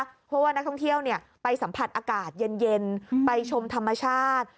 เพราะว่านักท่องเที่ยวไปสัมผัสอากาศเย็นไปชมธรรมชาติ